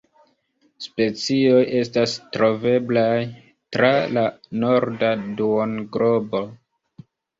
Specioj estas troveblaj tra la norda duonglobo.